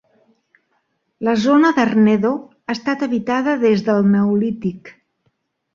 La zona d'Arnedo ha estat habitada des del neolític.